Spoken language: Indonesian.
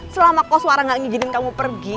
selama koswara nggak ngijinin kamu pergi